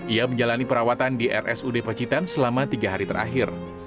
ia menjalani perawatan di rsud pacitan selama tiga hari terakhir